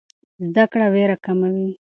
زده کړه ویره کموي.